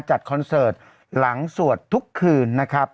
คอนเสิร์ตหลังสวดทุกคืนนะครับ